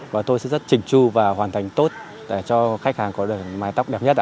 và tôi sẽ rất trình tru và hoàn thành tốt để cho khách hàng có được máy tóc đẹp nhất ạ